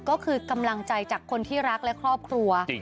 ก็คือกำลังใจจากคนที่รักและครอบครัว